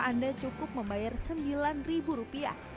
anda cukup membayar sembilan rupiah